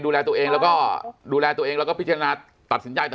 ดูแลตัวเองแล้วก็ดูแลตัวเองแล้วก็พิจารณาตัดสินใจต่าง